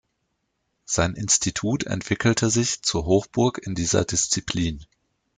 Sein Institut entwickelte sich zur Hochburg in dieser Disziplin.